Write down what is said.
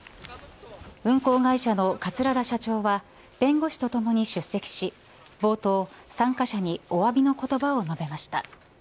運航会社の桂田社長は弁護士とともに出席し冒頭参加者におわびの言葉を述べました。